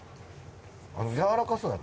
やわらかそうだね。